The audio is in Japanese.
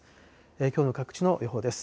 きょうの各地の予報です。